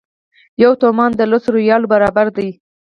یو تومان د لسو ریالو برابر دی.